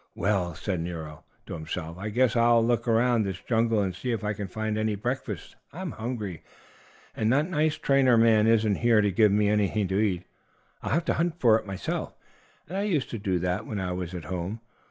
"Well," said Nero to himself, "I guess I'll look around this jungle and see if I can find any breakfast. I'm hungry, and that nice trainer man isn't here to give me anything to eat. I'll have to hunt for it myself, as I used to do when I was at home.